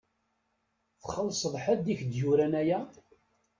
Txellṣeḍ ḥedd i k-d-yuran aya?